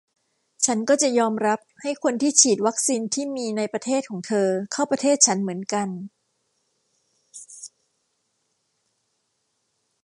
ฉันก็จะยอมรับ ให้คนที่ฉีดวัคซีนที่มีในประเทศของเธอ เข้าประเทศฉันเหมือนกัน